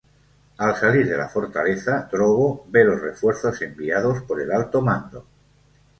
Al salir de la fortaleza, Drogo ve los refuerzos enviados por el Alto Mando.